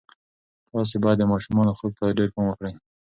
تاسې باید د ماشومانو خوب ته ډېر پام وکړئ.